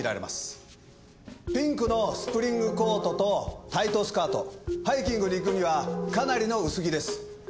ピンクのスプリングコートとタイトスカートハイキングに行くにはかなりの薄着です。